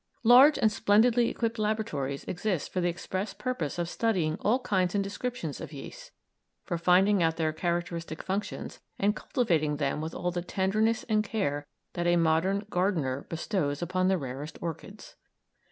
Large and splendidly equipped laboratories exist for the express purpose of studying all kinds and descriptions of yeasts, for finding out their characteristic functions, and cultivating them with all the tenderness and care that a modern gardener bestows upon the rarest orchids.